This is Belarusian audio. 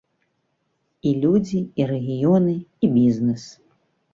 І людзі, і рэгіёны, і бізнэс.